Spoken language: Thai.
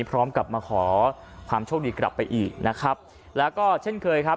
พร้อมกับมาขอความโชคดีกลับไปอีกนะครับแล้วก็เช่นเคยครับ